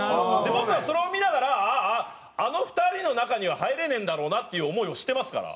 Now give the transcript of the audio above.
僕はそれを見ながらあーああの２人の中には入れねえんだろうなっていう思いをしてますから。